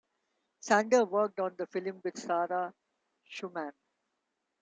Sander worked on the film with Sara Schumann.